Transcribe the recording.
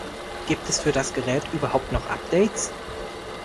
Gibt es für das Gerät überhaupt noch Updates?